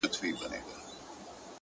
تر څو چي زه يم تر هغو ستا په نامه دې سمه